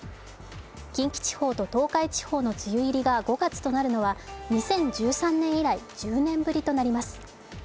近畿地方と東海地方の梅雨入りが５月となるのは、２０１３年以来、１０年ぶりとなります。